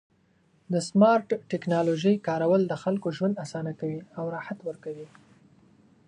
د سمارټ ټکنالوژۍ کارول د خلکو ژوند اسانه کوي او راحت ورکوي.